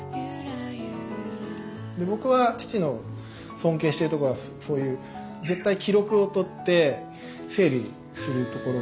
で僕は父の尊敬してるところはそういう絶対記録を取って整理するところがすごく。